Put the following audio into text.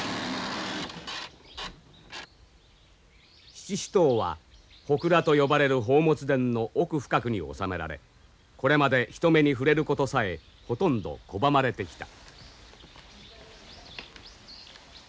七支刀は神庫と呼ばれる宝物殿の奥深くに納められこれまで人目に触れることさえほとんど拒まれてきた。